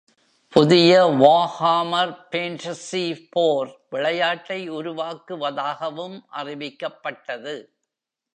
புதிய "வார்ஹாமர் பேண்டஸி போர்" விளையாட்டை உருவாக்குவதாகவும் அறிவிக்கப்பட்டது.